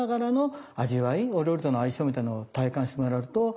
お料理との相性みたいなのを体感してもらうと。